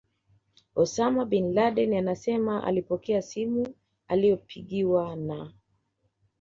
Osama Bin Laden anasema alipokea simu aliyopigiwa na